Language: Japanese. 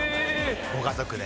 ご家族で。